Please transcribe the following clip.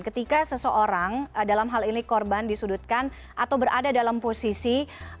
ketika seseorang dalam hal ini korban disudutkan atau berada dalam posisi